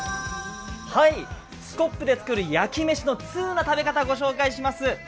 スコップで作るやきめしの通な食べ方をご紹介します。